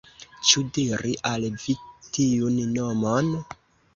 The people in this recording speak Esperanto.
Ĉu diri al vi tiun nomon?